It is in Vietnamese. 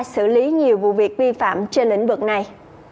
xử lý nhiều vụ việc vi phạm trên lĩnh vực này